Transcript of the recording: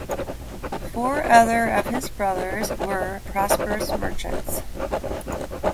Four other of his brothers were prosperous merchants.